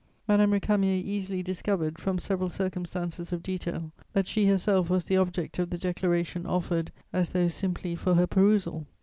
_ Madame Récamier easily discovered, from several circumstances of detail, that she herself was the object of the declaration offered as though simply for her perusal.